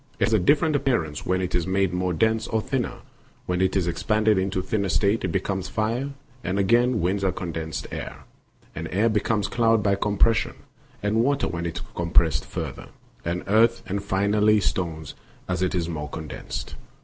It has a different appearance when it is made more dense or thinner ; when it is expanded into a thinner state it becomes fire, and again winds are condensed air, and air becomes cloud by compression, and water when it is compressed farther, and earth and finally stones as it is more condensed.